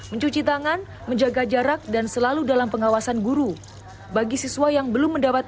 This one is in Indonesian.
mencuci tangan menjaga jarak dan selalu dalam pengawasan guru bagi siswa yang belum mendapat